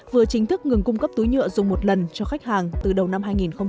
vừa chính thức ngừng cung cấp túi nhựa dùng một lần cho khách hàng từ đầu năm hai nghìn hai mươi